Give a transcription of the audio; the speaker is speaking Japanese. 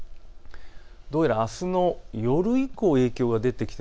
どうやら、あすの夜以降、影響が出てくる。